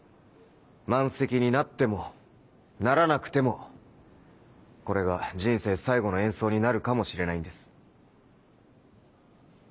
満席になってもならなくてもこれが人生最後の演奏になるかもしれないんです。